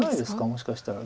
もしかしたら。